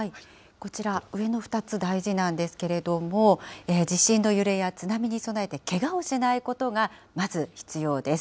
こちら、上の２つ、大事なんですけれども、地震の揺れや津波に備えてけがをしないことが、まず必要です。